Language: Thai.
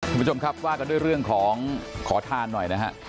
คุณผู้ชมครับว่ากันด้วยเรื่องของขอทานหน่อยนะฮะ